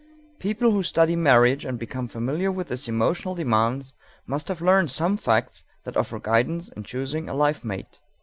People who study marriage and become familiar with its emotional demands must have learned some facts that offer guidance in choosing a life mate."